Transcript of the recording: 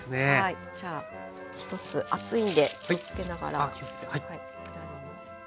じゃあ１つ熱いんで気をつけながらのせて。